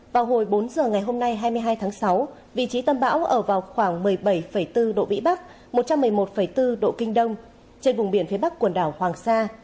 vào hồi bốn giờ ngày hôm nay hai mươi hai tháng sáu vị trí tâm bão ở vào khoảng một mươi bảy bốn độ vĩ bắc một trăm một mươi một bốn độ kinh đông trên vùng biển phía bắc quần đảo hoàng sa